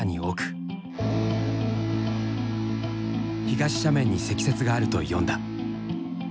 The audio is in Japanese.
東斜面に積雪があると読んだ。